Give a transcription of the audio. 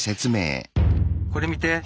これ見て。